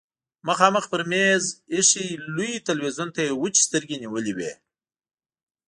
مخامخ پر مېز ايښي لوی تلويزيون ته يې وچې سترګې نيولې وې.